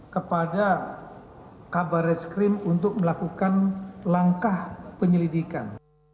kepada kabaret skrim untuk melakukan langkah penyelidikan